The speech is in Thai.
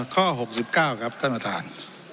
ข้อ๖๙ครับท่านประธาน